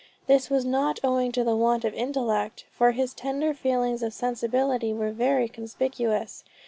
This was not owing to the want of intellect, for his tender feelings of sensibility were very conspicuous.